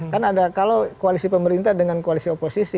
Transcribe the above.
kan ada kalau koalisi pemerintah dengan koalisi oposisi